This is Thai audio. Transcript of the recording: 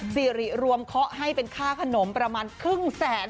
สิริรวมเคาะให้เป็นค่าขนมประมาณครึ่งแสน